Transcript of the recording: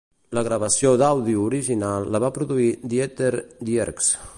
La gravació d'àudio original la va produir Dieter Dierks.